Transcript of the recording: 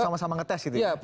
sama sama ngetes gitu ya